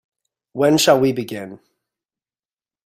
When shall we begin?